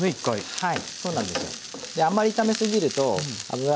はい。